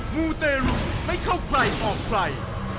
มูเตรุไม่เข้าใกล้ออกไฟ